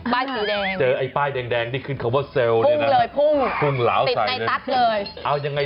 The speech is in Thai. ป้ายสีแดงเจอไอ้ป้ายแดงที่เขาพูดเซลล์เลยนะ